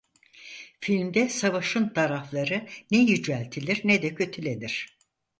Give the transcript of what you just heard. Filmde savaşın tarafları ne yüceltilir ne de kötülenir.